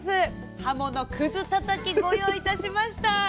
「はものくずたたき」ご用意いたしました。